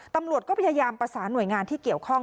ตำรวจก็พยายามประสานหน่วยงานที่เกี่ยวข้อง